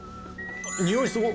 匂いすごっ。